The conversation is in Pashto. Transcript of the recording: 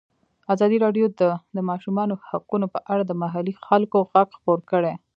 ازادي راډیو د د ماشومانو حقونه په اړه د محلي خلکو غږ خپور کړی.